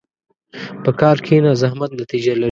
په کار کښېنه، زحمت نتیجه لري.